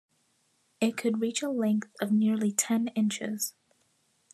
It could reach a length of nearly ten inches.